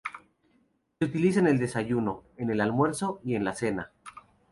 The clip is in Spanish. Se utiliza en el desayuno, en el almuerzo y en la cena.